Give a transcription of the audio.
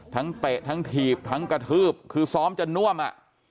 เตะทั้งถีบทั้งกระทืบคือซ้อมจนน่วมอ่ะ